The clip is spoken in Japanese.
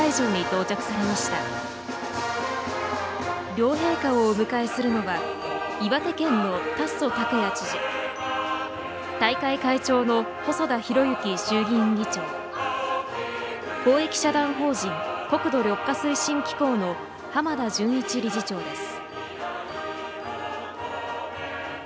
両陛下をお迎えするのは岩手県の達増拓也知事大会会長の細田博之衆議院議長公益社団法人国土緑化推進機構の濱田純一理事長です。